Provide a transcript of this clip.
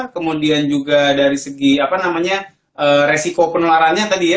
kemudian juga dari segi apa namanya resiko penularannya tadi ya